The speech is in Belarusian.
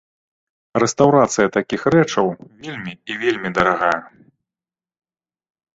Рэстаўрацыя такіх рэчаў вельмі і вельмі дарагая.